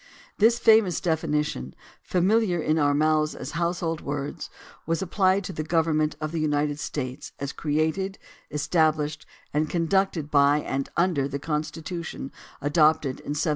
This famous definition, familiar in our mouths as household words, was applied to the government of the United States as created, estab lished, and conducted by and under the Constitution adopted in 1789.